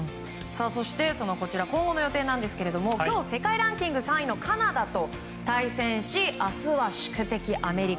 今後の予定ですが今日、世界ランキング３位のカナダと対戦し明日は宿敵アメリカ。